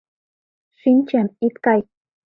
— Шинче, ит кай.